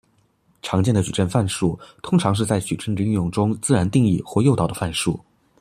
常见的矩阵范数通常是在矩阵的应用中自然定义或诱导的范数。